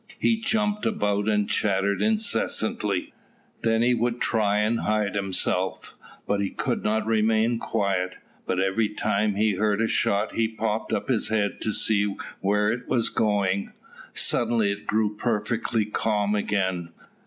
He jumped about and chattered incessantly. Then he would try and hide himself; but could not remain quiet, but every time he heard a shot he popped up his head to see where it was going. Suddenly it grew perfectly calm again.